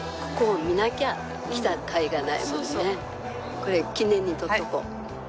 これ記念に撮っておこう。